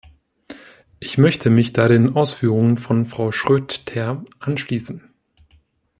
Ich möchte mich da den Ausführungen von Frau Schroedter anschließen.